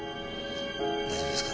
大丈夫ですか？